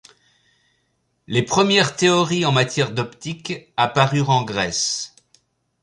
Les premières théories en matière d'optique apparurent en Grèce.